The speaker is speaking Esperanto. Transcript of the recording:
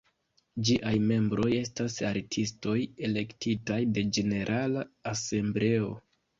Ĝiaj membroj estas artistoj elektitaj de ĝenerala asembleo.